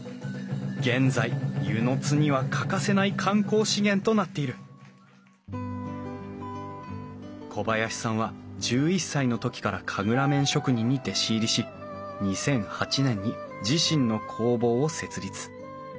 現在温泉津には欠かせない観光資源となっている小林さんは１１歳の時から神楽面職人に弟子入りし２００８年に自身の工房を設立。